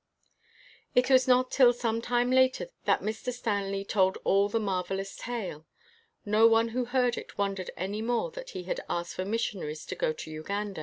It was not till some time later that Mr. Stanley told all the marvelous tale. No one who heard it wondered any more that he had asked for missionaries to go to Uganda.